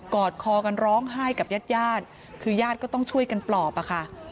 อดคอกันร้องไห้กับญาติญาติคือญาติก็ต้องช่วยกันปลอบอะค่ะ